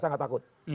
saya gak takut